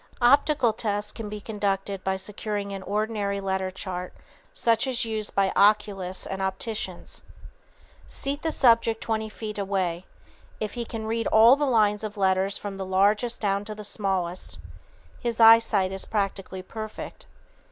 Optical tests can be conducted by securing an ordinary letter chart such as is used by oculists and opticians. Seat the subject twenty feet away. If he can read all the lines of letters from the largest down to the smallest his eyesight is practically perfect.